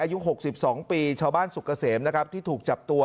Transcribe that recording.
อายุ๖๒ปีชาวบ้านสุกเกษมนะครับที่ถูกจับตัว